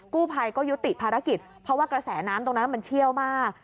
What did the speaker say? กู้ภัยก็ยุติภารกิจเพราะว่ากระแสน้ำตรงนั้นมันเชี่ยวมาก